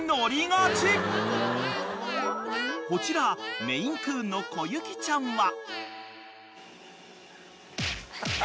［こちらメインクーンのこゆきちゃんは］